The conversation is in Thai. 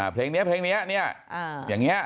เพลงนี้เพลงนี้อย่างนี้